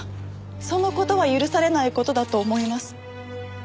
その事は許されない事だと思います。